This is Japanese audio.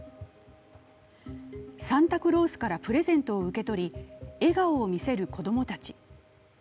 サンタクロースからプレゼントを受け取り、笑顔を見せる子供たち。